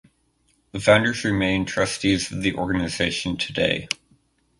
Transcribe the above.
The founders remain trustees of the organization today.